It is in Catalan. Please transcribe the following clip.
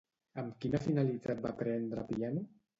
Amb quina finalitat va aprendre piano?